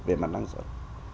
về mặt năng suất